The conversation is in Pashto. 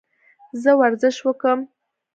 زه ورزش وکم؟